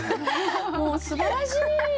もうすばらしい！